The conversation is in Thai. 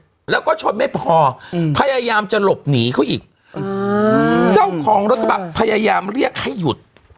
แล้วก็ชนไม่พออืมพยายามจะหลบหนีเขาอีกอืมเจ้าของรถกระบะพยายามเรียกให้หยุด